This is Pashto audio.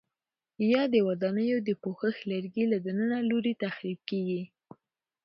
یا د ودانیو د پوښښ لرګي له دننه لوري تخریب کېږي؟